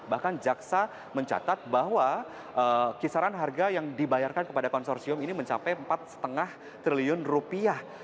bahkan jaksa mencatat bahwa kisaran harga yang dibayarkan kepada konsorsium ini mencapai empat lima triliun rupiah